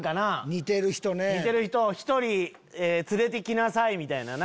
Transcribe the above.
似てる人を１人連れて来なさいみたいな。